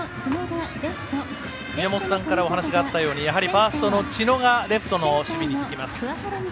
宮本さんからお話があったようにファーストの知野がレフトの守備につきます。